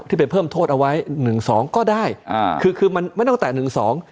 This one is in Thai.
ไปเพิ่มโทษเอาไว้หนึ่งสองก็ได้อ่าคือคือมันไม่ต้องแตะหนึ่งสอง